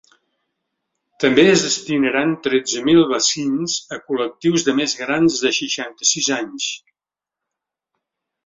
També es destinaran tretze mil vaccins a col·lectius de més grans de seixanta-sis anys.